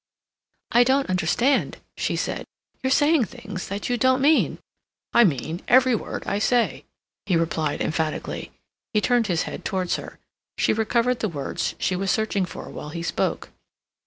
"I don't understand," she said. "You're saying things that you don't mean." "I mean every word I say," he replied, emphatically. He turned his head towards her. She recovered the words she was searching for while he spoke.